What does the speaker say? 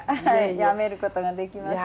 やめることができません。